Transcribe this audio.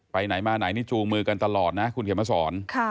ไปไหนมาไหนนี่จูงมือกันตลอดนะคุณเขียนมาสอน